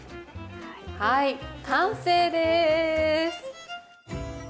はい完成です。